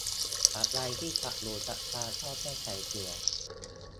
อะไรที่ขัดหูขัดตาก็แก้ไขเสีย